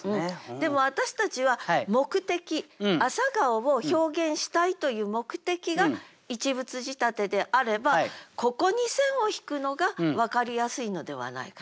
でも私たちは目的「朝顔」を表現したいという目的が一物仕立てであればここに線を引くのが分かりやすいのではないかと。